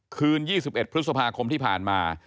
คืน๒๑พฤษภาคมที่ผ่านมา